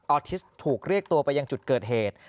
อทิสถูกเรียกตัวไปยังจุดเกิดเหตุ